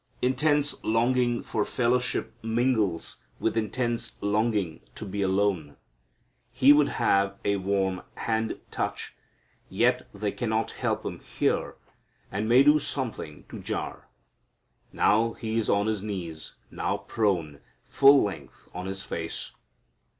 Intense longing for fellowship mingles with intense longing to be alone. He would have a warm hand touch, yet they cannot help Him here, and may do something to jar. Now He is on His knees, now prone, full length, on His face.